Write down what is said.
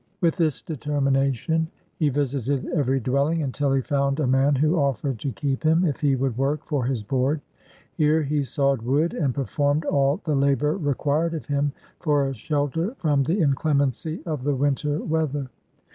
With this deter mination, he visited every dwelling, until he found a man who offered to keep him if he would work for his board. Here he sawed wood, and performed all the labor required of him, for a shelter from the inclem ency of the winter weather.